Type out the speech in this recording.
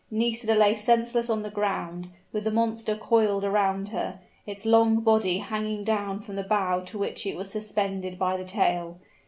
Nisida lay senseless on the ground, with the monster coiled around her its long body hanging down from the bough to which it was suspended by the tail.